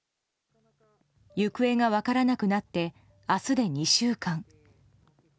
行方が分からなくなって明日で２週間。